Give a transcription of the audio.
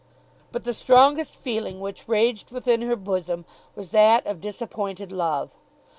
But the strongest feeling which raged within her bosom was that of disappointed love.